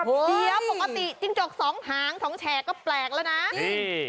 เฮ้ยเดี๋ยวปกติจริงจกสองหางสองแฉกก็แปลกแล้วน่ะจริงนี่